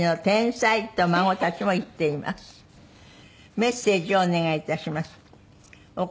「メッセージをお願いいたします」